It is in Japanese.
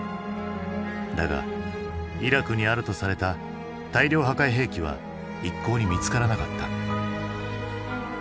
だがイラクにあるとされた大量破壊兵器は一向に見つからなかった。